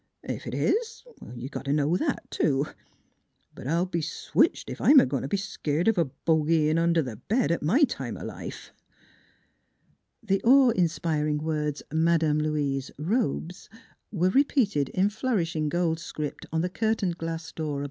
Ef it is, you got t' know that, too. But I'll be switched ef I'm a goin' t' be skeered of a bogey in under th' bed, at my time o' life!" The awe inspiring words " Madame Louise : Robes " were repeated in flourishing gold script NEIGHBORS 27 on the curtained glass door